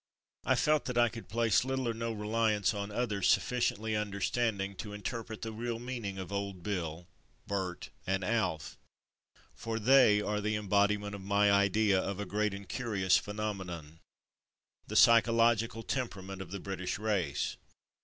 I felt that I could place little or no reliance on others sufficiently understanding to interpret the real meaning of '^Old Bill,'' "Bert," and "Alf"— for they are the em bodiment of my idea of a great and curious phenomenon: the psychological tempera ment of the British race.